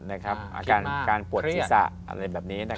อาการปวดศีรษะอะไรแบบนี้